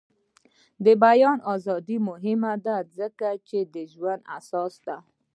د بیان ازادي مهمه ده ځکه چې د ژوند اساس دی.